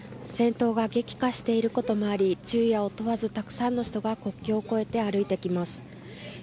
戦闘は激化していることもあり昼夜を問わずたくさんの人が国境を越えて歩いています。